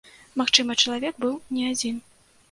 Магчыма, чалавек быў не адзін.